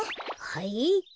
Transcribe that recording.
はい？